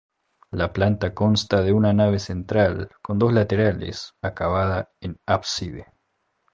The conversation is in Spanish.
La planta consta de una nave central con dos laterales, acabada en ábside.